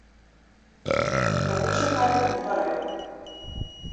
Яны чакалі на дварэ.